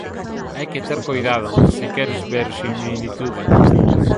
Hai que ter coidado, se queres verosimilitude.